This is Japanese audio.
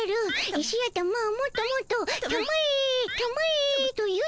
石頭もっともっと「たまえたまえ」と言うてたも。